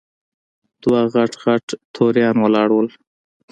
دوه غټ غټ توریان ولاړ وو.